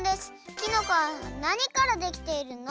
きのこは何からできているの？」